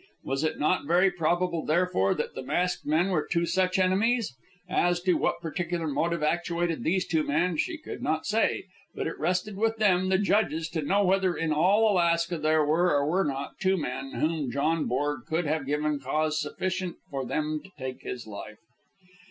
Was it not very probable, therefore, that the masked men were two such enemies? As to what particular motive actuated these two men, she could not say; but it rested with them, the judges, to know whether in all Alaska there were or were not two men whom John Borg could have given cause sufficient for them to take his life.